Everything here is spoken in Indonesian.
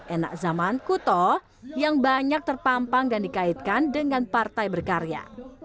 enak zaman kuto yang banyak terpampang dan dikaitkan dengan partai berkarya